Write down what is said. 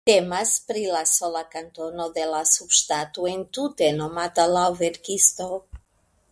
Temas pri la sola kantono de la subŝtato entute nomata laŭ verkisto.